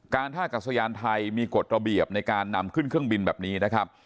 ท่ากัศยานไทยมีกฎระเบียบในการนำขึ้นเครื่องบินแบบนี้นะครับ